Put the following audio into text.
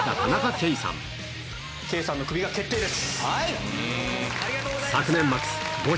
圭さんのクビが決定です。